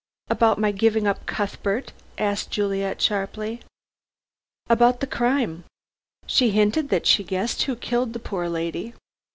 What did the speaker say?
"About my giving up Cuthbert?" asked Juliet sharply. "About the crime. She hinted that she guessed who killed the poor lady.